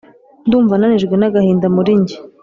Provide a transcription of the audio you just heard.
Ndumva nanijwe nagahinda muri njye